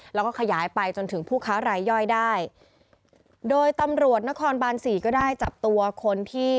แล้วก็ขยายไปจนถึงผู้ค้ารายย่อยได้โดยตำรวจนครบานสี่ก็ได้จับตัวคนที่